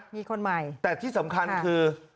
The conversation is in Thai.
มีคนใหม่แต่ที่สำคัญคือ